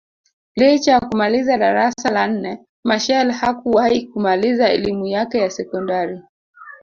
Licha ya kumaliza darasa la nne Machel hakuwahi kumaliza elimu yake ya sekondari